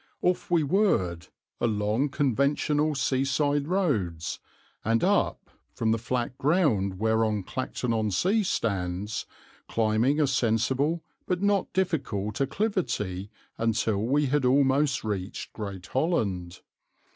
Off we whirred, along conventional seaside roads, and up, from the flat ground whereon Clacton on Sea stands, climbing a sensible but not difficult acclivity until we had almost reached Great Holland.